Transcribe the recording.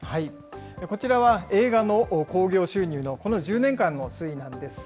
こちらは映画の興行収入のこの１０年間の推移です。